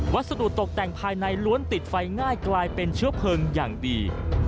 สรุปตกแต่งภายในล้วนติดไฟง่ายกลายเป็นเชื้อเพลิงอย่างดี